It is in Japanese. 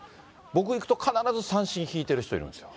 僕行くと、必ず三線弾いてる人いるんですよ。